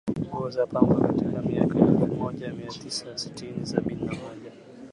nguo za pamba katika miaka ya elfu moja mia tisa sitini Sabini na moja